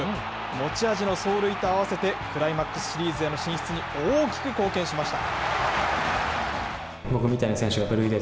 持ち味の走塁と合わせて、クライマックスシリーズへの進出に大きく貢献しました。